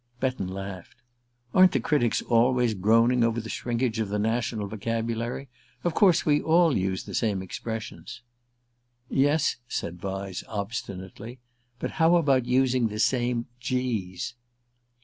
Betton laughed. "Aren't the critics always groaning over the shrinkage of the national vocabulary? Of course we all use the same expressions." "Yes," said Vyse obstinately. "But how about using the same g's?"